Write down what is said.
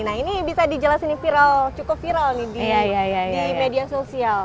nah ini bisa dijelasin ini viral cukup viral nih di media sosial